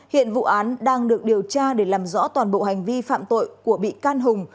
hiện vụ án đang được điều tra để làm rõ toàn bộ hành vi phạm tội của bị can hùng